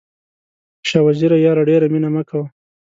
شاه وزیره یاره ډېره مینه مه کوه.